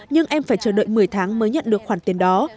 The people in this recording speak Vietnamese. nhưng em phải chờ đợi một mươi tháng mới nhận được khoản tiền đó